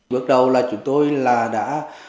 bước đầu là chúng tôi là đã